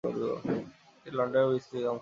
এটি লন্ডন বন্দরের বিস্তৃত অংশ।